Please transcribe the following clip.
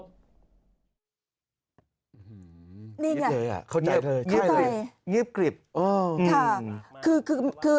นี่ไงเข้าใจเลยยืบกริบโอ้โฮอืมค่ะคือคือคือคือ